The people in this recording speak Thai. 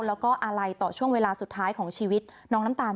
แล้วก็อาลัยต่อช่วงเวลาสุดท้ายของชีวิตน้องน้ำตาล